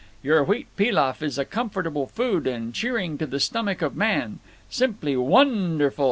Your wheat pilaf is a comfortable food and cheering to the stomach of man. Simply won derful.